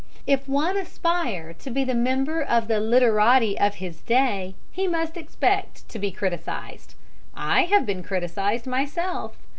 If one aspire to be a member of the literati of his day, he must expect to be criticised. I have been criticised myself.